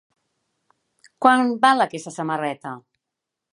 Quant val aquesta samarreta?